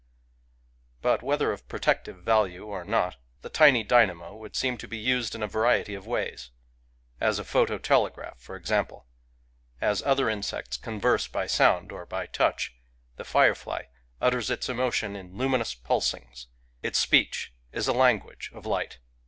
But whether of protective value or not, the tiny dynamo would seem to be used in a variety of ways, — as a photo telegraph, for example. As other insects converse Digitized by Google FIREFLIES 139 by sound or by touch, the firefly utters its emotion in luminous pulsings: its speech is a language of light.